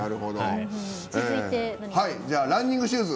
じゃあ、ランニングシューズ。